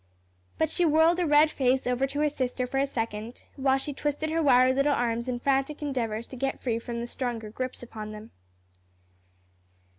But she whirled a red face over to her sister for a second, while she twisted her wiry little arms in frantic endeavors to get free from the stronger grips upon them.